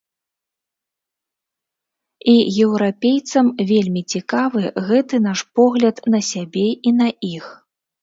І еўрапейцам вельмі цікавы гэты наш погляд на сябе і на іх.